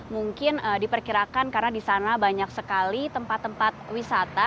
mungkin diperkirakan karena di sana banyak sekali tempat tempat wisata